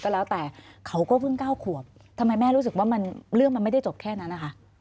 แล้วแต่เขาก็เพิ่ง๙ขวบทำไมแม่รู้สึกว่ามันเรื่องมันไม่ได้จบแค่นั้นนะคะ